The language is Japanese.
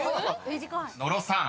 ［野呂さん